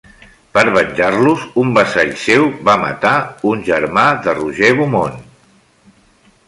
Per a venjar-los, un vassall seu va matar un germà de Roger Beaumont.